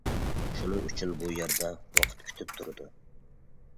شۇنىڭ ئۈچۈن بۇ يەردە ۋاقىت كۈتۈپ تۇرىدۇ.